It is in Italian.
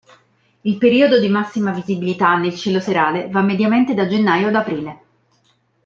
Il periodo di massima visibilità nel cielo serale va mediamente da gennaio ad aprile.